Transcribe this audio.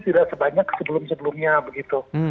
tidak sebanyak sebelum sebelumnya begitu